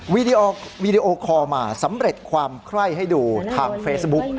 วีดีโอคอลมาสำเร็จความไคร้ให้ดูทางเฟซบุ๊ก